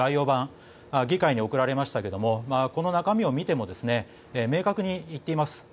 版議会に送られましたがこの中身を見ても明確に言っています。